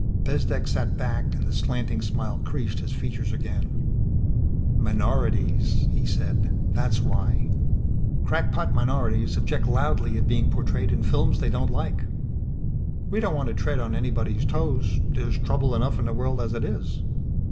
Bezdek sat back and the slanting smile creased his features again. "Minorities," he said. "That's why. Crackpot minorities object loudly at being portrayed in films they don't like. We don't want to tread on anybody's toes there's trouble enough in the world as it is.